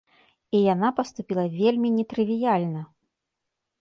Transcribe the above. І яна паступіла вельмі нетрывіяльна!